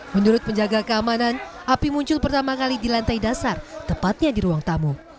menurut penjaga keamanan api muncul pertama kali di lantai dasar tepatnya di ruang tamu